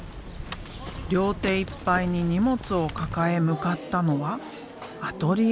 両手いっぱいに荷物を抱え向かったのはアトリエ。